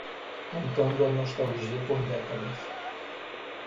Contando a nostalgia por décadas